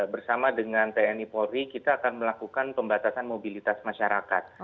bersama dengan tni polri kita akan melakukan pembatasan mobilitas masyarakat